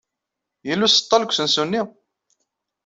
Yella useḍḍal deg usensu-nni?